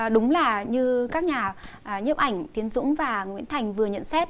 đúng là như các nhà nhiếp ảnh tiến dũng và nguyễn thành vừa nhận xét